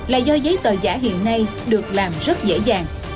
là do giấy tờ giả hiện nay được làm rất dễ dàng